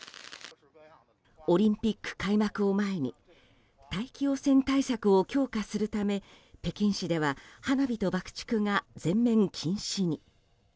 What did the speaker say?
オリンピック開幕を前に大気汚染対策を強化するため北京市では花火と爆竹が全面禁止に。